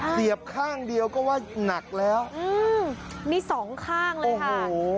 เสียบข้างเดียวก็ว่าหนักแล้วอืมนี่สองข้างเลยค่ะโอ้โห